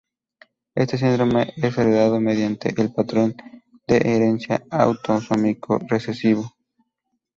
Este síndrome es heredado mediante el patrón de herencia autosómico recesivo.